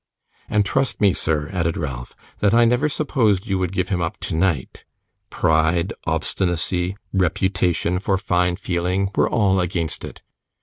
'And trust me, sir,' added Ralph, 'that I never supposed you would give him up tonight. Pride, obstinacy, reputation for fine feeling, were all against it.